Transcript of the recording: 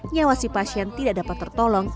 nyawasi pasien tidak dapat tertolong